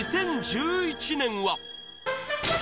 ２０１１年は？